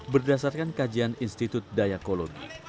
berdasarkan kajian institut dayakologi